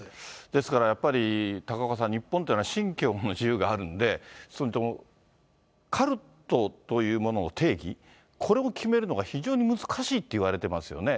ですからやっぱり高岡さん、日本というのは信教の自由があるので、カルトというものの定義、これを決めるのが非常に難しいといわれてますよね。